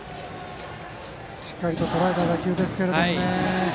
しっかりとらえた打球でしたけどね。